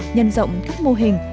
nhân rộng các mô hình